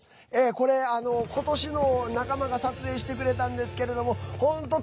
これ、ことしのを仲間が撮影してくれたんですけど本当